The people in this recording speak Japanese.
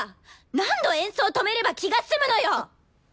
何度演奏止めれば気が済むのよ！？